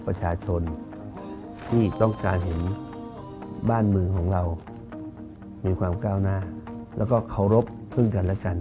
ประชาชนที่ต้องการเห็นบ้านเมืองของเรามีความก้าวหน้าแล้วก็เคารพซึ่งกันและกัน